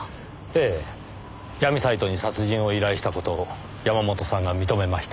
ええ闇サイトに殺人を依頼した事を山本さんが認めました。